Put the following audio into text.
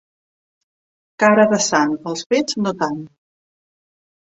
Cara de sant; els fets, no tant.